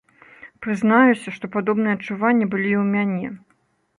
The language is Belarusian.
Прызнаюся, што падобныя адчуванне былі і ў мяне.